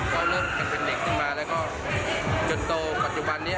ก็เริ่มใช้เป็นเลขมาจนโตปัจจุบันนี้